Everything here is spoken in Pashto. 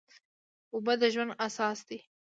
اوبه د ژوند اساس دي.